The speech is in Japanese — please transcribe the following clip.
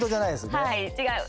はい、違う。